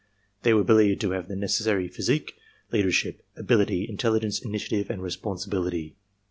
They were believed to have the neces sary physique, leadership, ability, intelligence, initiative and responsibility.